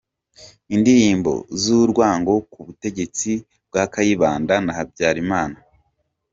Indirimbo z’urwango ku butegetsi bwa Kayibanda na Habyarimana.